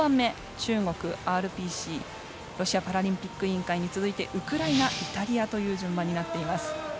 中国、ＲＰＣ＝ロシアパラリンピック委員会に続いてウクライナ、イタリアという順番になっています。